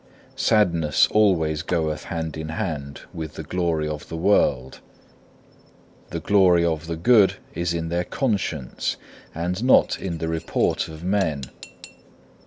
Sadness always goeth hand in hand with the glory of the world. The glory of the good is in their conscience, and not in the report of men.